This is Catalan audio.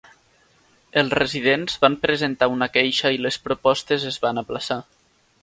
Els residents van presentar una queixa i les propostes es van aplaçar.